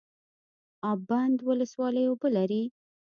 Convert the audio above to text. اب بند ولسوالۍ اوبه لري؟